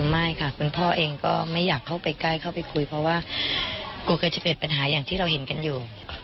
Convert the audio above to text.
ไม่ค่ะคุณพ่อเองก็ไม่อยากเข้าไปใกล้เข้าไปคุยเพราะว่ากลัวแกจะเกิดปัญหาอย่างที่เราเห็นกันอยู่